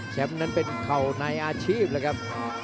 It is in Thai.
แชมป์นั้นเป็นเข่านายอาชีพแหละครับ